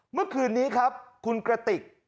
เมื่อคืนนี้ครับคุณกระติก